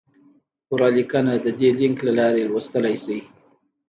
پوره لیکنه د دې لینک له لارې لوستی شئ!